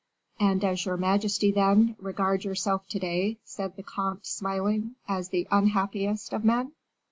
"And does your majesty, then, regard yourself to day," said the comte, smiling, "as the unhappiest of men?"